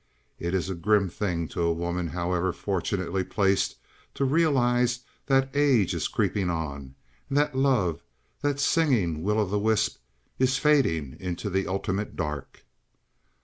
It is a grim thing to a woman, however fortunately placed, to realize that age is creeping on, and that love, that singing will o' the wisp, is fading into the ultimate dark.